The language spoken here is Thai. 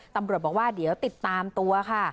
ตำรวจบอกว่าเดี๋ยวติดตามตัวค่ะ